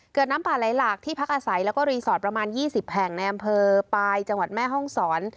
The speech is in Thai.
น้ำป่าไหลหลากที่พักอาศัยแล้วก็รีสอร์ทประมาณ๒๐แห่งในอำเภอปลายจังหวัดแม่ห้องศร